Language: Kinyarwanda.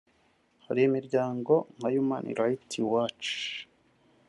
Hari imiryango nka Human Rights Watch